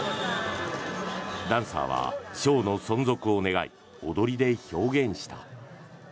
ダンサーはショーの存続を願い踊りで表現した。